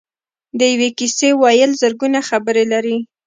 د یوې کیسې ویل زرګونه خبرې لري.